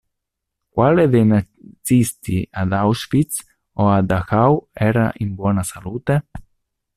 Quale dei nazisti ad Auschwitz o a Dachau era in buona salute?